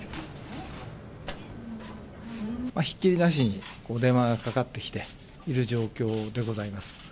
ひっきりなしに電話がかかってきている状況でございます。